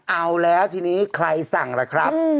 เอาแล้วทีนี้ใครสั่งล่ะครับ